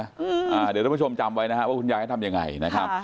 เดี๋ยวท่านผู้ชมจำไว้นะครับว่าคุณยายเขาทำยังไงนะครับ